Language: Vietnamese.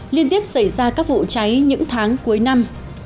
liên tiếp xảy ra các vụ cháy những tháng cuối năm